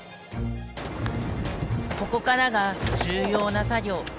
ここからが重要な作業。